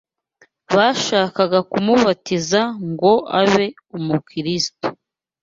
bashakaga kumubatiza ngo abe umukirisitu